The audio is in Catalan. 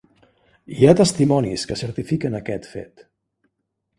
Hi ha testimonis que certifiquen aquest fet.